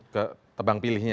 ke tebang pilihnya